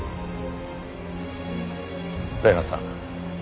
玲奈さん